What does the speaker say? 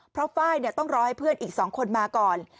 เพราะไฟล์ต้องรอให้เพื่อนอีก๒คนมาก่อน